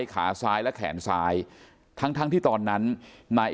อืมแต่มันก็ไม่ยอมนะมันไล่ยิงเยอะเสร็จแล้วก็ขับรถหนีไป